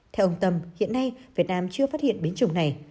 theo ông tâm hiện nay việt nam chưa phát hiện biến chủng này